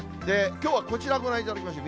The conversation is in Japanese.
きょうはこちら、ご覧いただきましょう。